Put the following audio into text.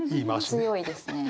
強いですね。